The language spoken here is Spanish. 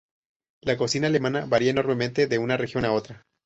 La cocina alemana varía enormemente de una región a otra.